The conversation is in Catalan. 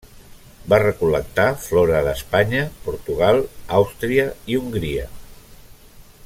Va recol·lectar flora d'Espanya, Portugal, Àustria i Hongria.